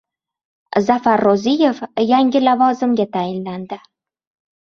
Zafar Ro‘ziyev yangi lavozimga tayinlandi